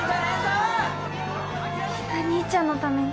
みんな兄ちゃんのために。